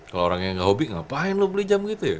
kalo orang yang nggak hobi ngapain lu beli jam gitu ya